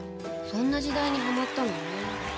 そんな時代にはまったのね。